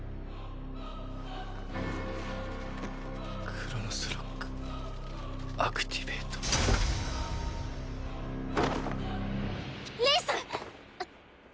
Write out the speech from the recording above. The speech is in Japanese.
クロノスロックアクティベートレイさん！